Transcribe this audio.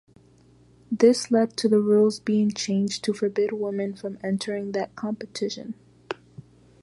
This led to the rules being changed to forbid women from entering that competition.